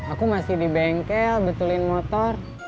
aku masih di bengkel betulin motor